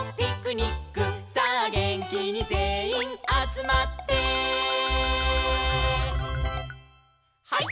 「さあげんきにぜんいんあつまって」「ハイ！